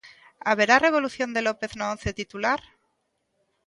Haberá revolución de López no once titular?